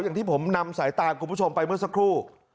อย่างที่ผมนำสายตาคุณผู้ชมไปเมื่อสักครู่